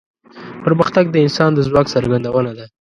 پرمختګ د انسان د ځواک څرګندونه ده.